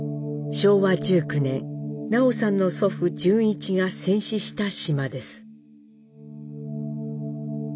昭和１９年南朋さんの祖父潤一が戦死した島です。